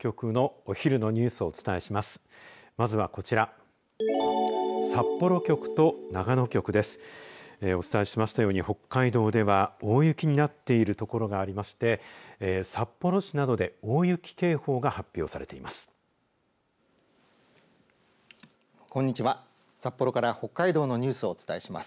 お伝えしましたように北海道では大雪になっている所がありまして札幌市などで大雪警報が発表されています。